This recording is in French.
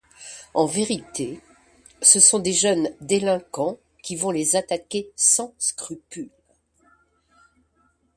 En vérité ce sont des jeunes délinquants qui vont les attaquer sans scrupule.